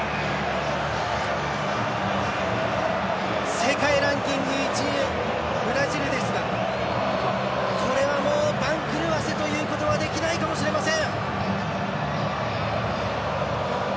世界ランキング１位ブラジルですがこれは、もう番狂わせということはできないかもしれません。